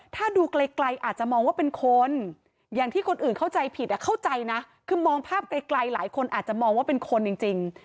ถ้าดูไกลอาจจะมองว่าเป็นคนอย่างที่คนอื่นเข้าใจผิดเข้าใจนะคือมองภาพไกลหลายคนอาจจะมองว่าเป็นคนจริง